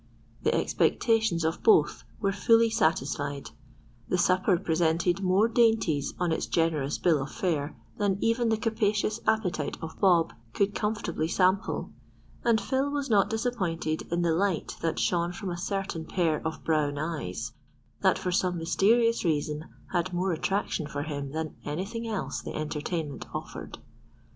The expectations of both were fully satisfied. The supper presented more dainties on its generous bill of fare than even the capacious appetite of Bob could comfortably sample, and Phil was not disappointed in the light that shone from a certain pair of brown eyes that for some mysterious reason had more attraction for him than anything else the entertainment offered.